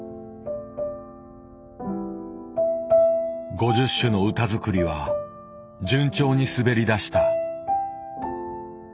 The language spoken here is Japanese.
５０首の歌づくりは順調に滑り出した。